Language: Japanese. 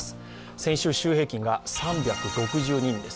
先週、週平均が３６２人です。